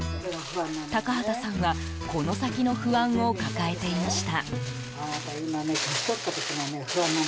高畑さんはこの先の不安を抱えていました。